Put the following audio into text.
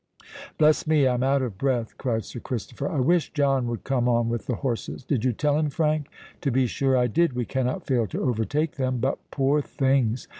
"Bless me!—I'm out of breath," cried Sir Christopher. "I wish John would come on with the horses. Did you tell him, Frank?" "To be sure I did. We cannot fail to overtake them. But, poor things!